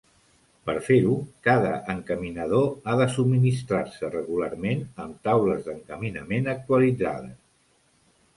Per fer-ho, cada encaminador ha de subministrar-se regularment amb taules d'encaminament actualitzades.